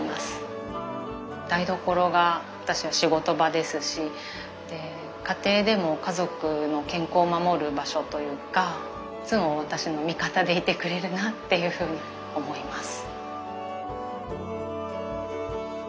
台所が私の仕事場ですしで家庭でも家族の健康を守る場所というかいつも私の味方でいてくれるなっていうふうに思います。